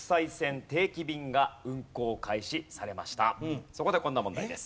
さあそこでこんな問題です。